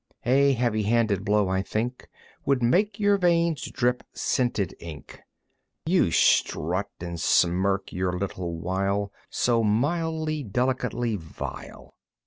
A heavy handed blow, I think, Would make your veins drip scented ink. You strut and smirk your little while So mildly, delicately vile!